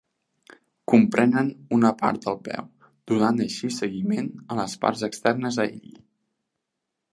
Comprenen una part del peu, donant així seguiment a les parts externes a ell.